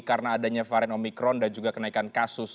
adanya varian omicron dan juga kenaikan kasus